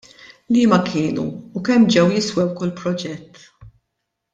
Liema kienu u kemm ġew jiswew kull proġett?